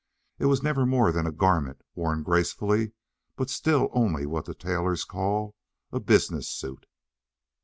It was never more than a garment, worn gracefully, but still only what the tailors call a business suit.